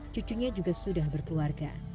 cucunya juga sudah berkeluarga